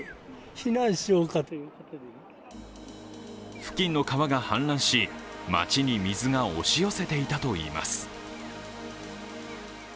付近の川が氾濫し、街に水が押し寄せていたといいます。